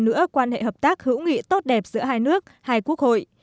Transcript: nữa quan hệ hợp tác hữu nghị tốt đẹp giữa hai nước hai quốc hội